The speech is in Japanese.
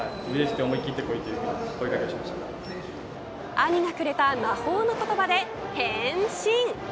兄がくれた魔法の言葉で変身。